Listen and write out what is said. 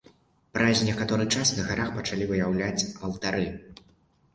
Праз некаторы час на гарах пачалі выяўляць алтары.